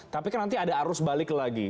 tapi kan nanti ada arus balik lagi